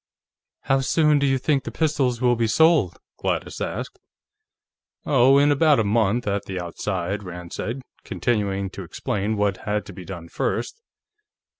"How soon do you think the pistols will be sold?" Gladys asked. "Oh, in about a month, at the outside," Rand said, continuing to explain what had to be done first.